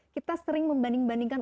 kita sering membanding bandingkan